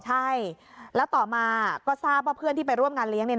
ใช่แล้วต่อมาก็ทราบว่าเพื่อนที่ไปร่วมงานเลี้ยง